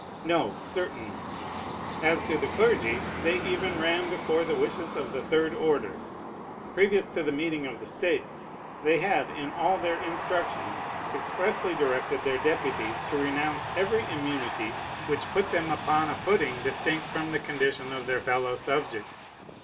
No, certainly. As to the clergy, they even ran before the wishes of the third order. Previous to the meeting of the States, they had in all their instructions expressly directed their deputies to renounce every immunity which put them upon a footing distinct from the condition of their fellow subjects.